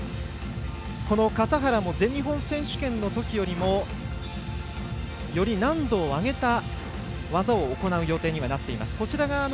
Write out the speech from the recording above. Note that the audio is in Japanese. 笠原も全日本選手権のときよりもより難度を上げた技を行う予定になっています。